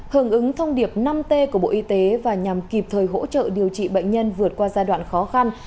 hưởng ứng thông điệp năm t của bộ y tế và nhằm kịp thời hỗ trợ điều trị bệnh nhân vượt qua giai đoạn khó khăn